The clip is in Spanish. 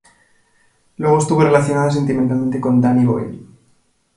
Luego estuvo relacionada sentimentalmente con Danny Boyle.